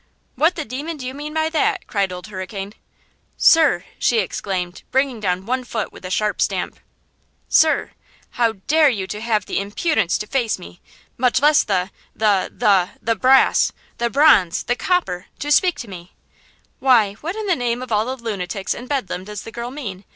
"What the demon do you mean by that?" cried Old Hurricane. "Sir!" she exclaimed, bringing down one foot with a sharp stamp; "sir! how dare you have to impudence to face me? much less the–the–the–the brass! the bronze! the copper! to speak to me!" "Why, what in the name of all the lunatics in Bedlam does the girl mean?